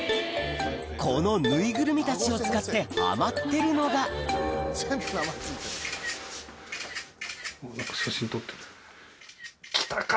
このぬいぐるみたちを使ってハマってるのが来たか？